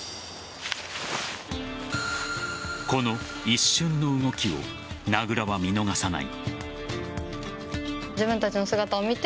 この一瞬の動きを名倉は見逃さない。